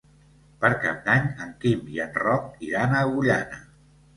Per Cap d'Any en Quim i en Roc iran a Agullana.